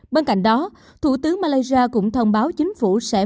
bên cạnh đó thủ tướng malaysia cũng thông báo chính phủ sẽ